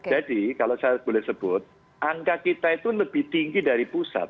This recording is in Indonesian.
jadi kalau saya boleh sebut angka kita itu lebih tinggi dari pusat